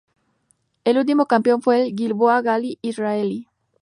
El último campeón fue el Gilboa Galil israelí.